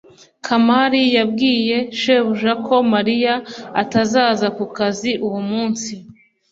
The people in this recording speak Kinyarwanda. kamali yabwiye shebuja ko mariya atazaza ku kazi uwo munsi